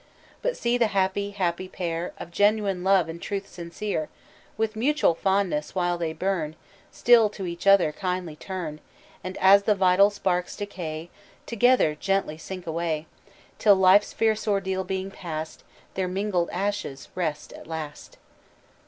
But see the happy, happy pair Of genuine love and truth sincere; With mutual fondness, while they burn Still to each other kindly turn: And as the vital sparks decay, Together gently sink away. Till, life's fierce ordeal being past, Their mingled ashes rest at last."